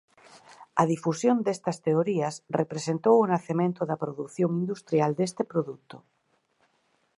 A difusión destas teorías representou o nacemento da produción industrial deste produto.